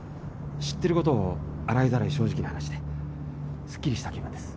知ってることを洗いざらい正直に話してすっきりした気分です。